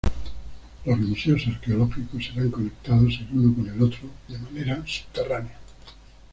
Los museos arqueológicos serán conectados el uno con el otro de manera subterránea.